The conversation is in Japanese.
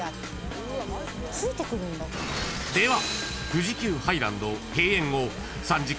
［では］